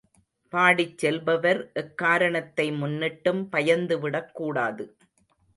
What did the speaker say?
பாடிச் செல்பவர் எக்காரணத்தை முன்னிட்டும் பயந்துவிடக் கூடாது.